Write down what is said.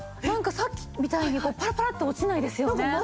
なんかさっきみたいにパラパラと落ちないですよね。